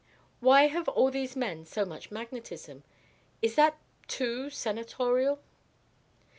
Why have all these men so much magnetism? Is that, too, senatorial?"